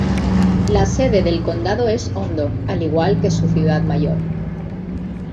La sede del condado es Hondo, al igual que su mayor ciudad.